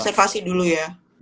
reservasi dulu ya